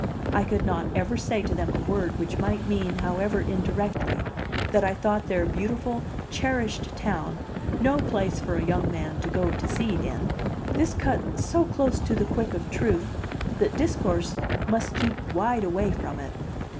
I could not ever say to them a word which might mean, however indirectly, that I thought their beautiful, cherished town no place for a young man to go to seed in; this cut so close to the quick of truth that discourse must keep wide away from it.